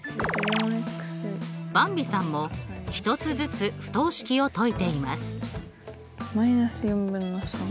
ばんびさんも１つずつ不等式を解いています。